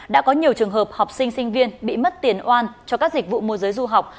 đã có nhiều trường hợp học sinh sinh viên bị mất tiền oan cho các dịch vụ môi giới du học